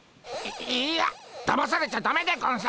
いいやだまされちゃだめでゴンス。